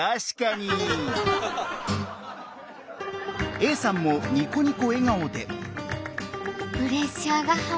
Ａさんもニコニコ笑顔で。